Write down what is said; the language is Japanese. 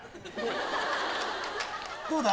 どうだ？